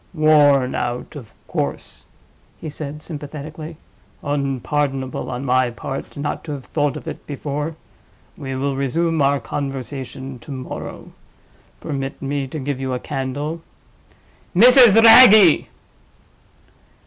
"Worn out, of course!" he said, sympathetically. "Unpardonable on my part not to have thought of it before. We will resume our conversation to morrow. Permit me to give you a candle. Mrs. Wragge!"